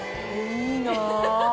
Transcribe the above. いいな！